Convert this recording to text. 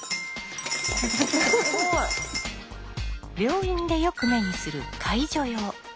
病院でよく目にする介助用。